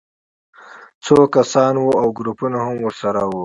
څو کسان وو او ګروپونه هم ورسره وو